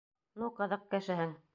Ну, ҡыҙыҡ кешеһең.